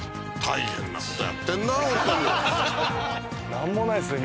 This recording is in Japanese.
なんもないですね